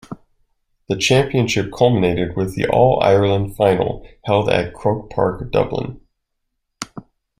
The championship culminated with the All-Ireland final, held at Croke Park, Dublin.